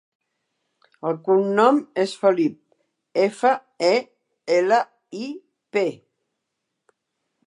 El cognom és Felip: efa, e, ela, i, pe.